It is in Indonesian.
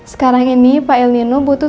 sekarang ini pak el nino butuh